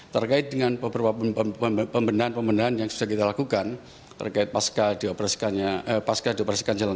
terkait dengan beberapa pembenahan pembendahan yang sudah kita lakukan terkait pasca dioperasikan jalan